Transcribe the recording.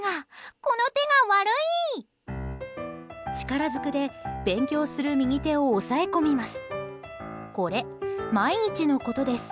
力ずくで勉強する右手を押さえ込みます。